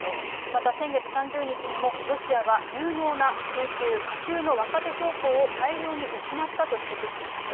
また先月３０日にも、ロシアは有能な中級、下級の若手将校を大量に失ったと指摘しています。